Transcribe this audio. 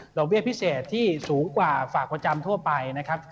หลวงเวียดพิเศษที่สูงกว่าฝากประจำทั่วไป